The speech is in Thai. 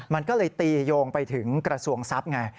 มันก็เลยตีโยงไปถึงกระทรวงทรัพย์ไง